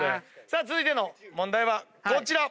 さあ続いての問題はこちら。